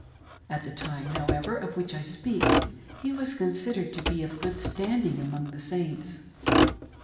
At the time, however, of which I speak, he was considered to be of good standing am^ng the Saints.